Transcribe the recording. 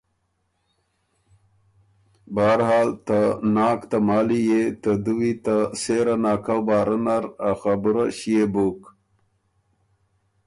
بهر حال ته ناک ته مالی يې ته دُوی ته سېره ناکؤ باره نر ا خبُره ݭيې بُک۔